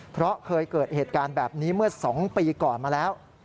เพราะเคยเกิดเหตุการณ์แบบนี้เมื่อ๒ปีก่อนมาแล้ว